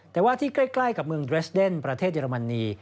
แต่ว่าที่ใกล้กับเมืองเรสเดนประเทศเยอรมนี